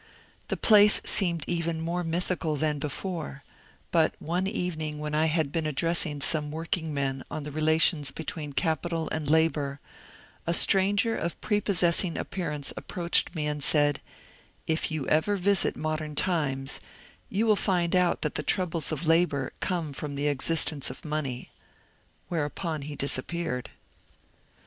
The place seemed even more mythical than before, but one evening when I had been addressing some workingmen on the rela tions between capital and labour, a stranger of prepossessing appearance approached me and said, ^^ If you ever visit Mod ern Times you will find out that the troubles of labour come from the existence of money." Whereupon he disappeared.